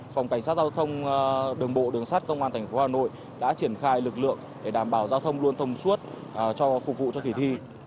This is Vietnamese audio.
phòng cảnh sát giao thông đường bộ đường sát công an tp hà nội đã triển khai lực lượng để đảm bảo giao thông luôn thông suốt phục vụ cho kỳ thi